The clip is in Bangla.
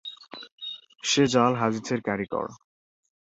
সে জাল হাদিসের কারিগর’।